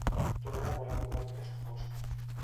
Torra vol aprovar el pressupost